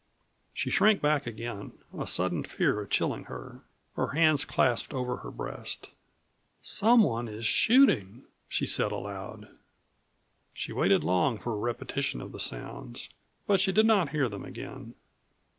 She shrank back again, a sudden fear chilling her, her hands clasped over her breast. "Someone is shooting," she said aloud. She waited long for a repetition of the sounds. But she did not hear them again.